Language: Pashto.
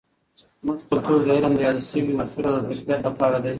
زموږ کلتور د علم د یادو سوي اصولو د تقویت لپاره دی.